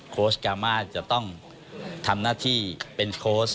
โค้ชกามาจะต้องทำหน้าที่เป็นโค้ช